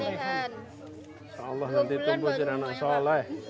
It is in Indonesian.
masya allah nanti tumbuh jadi anak sholay